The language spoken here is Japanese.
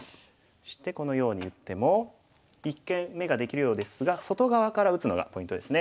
そしてこのように打っても一見眼ができるようですが外側から打つのがポイントですね。